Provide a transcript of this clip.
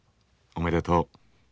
おめでとう。